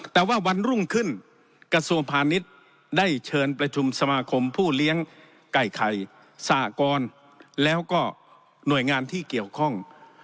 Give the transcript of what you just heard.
แต่ว่าวันรุ่งขึ้นกระทรวงพาณิชย์ได้เชิญประชุมสมาคมผู้เลี้ยงไก่ไข่สหกรแล้วก็หน่วยงานที่เกี่ยวข้อง